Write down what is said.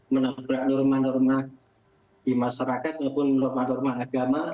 menabrak norma norma di masyarakat maupun norma norma agama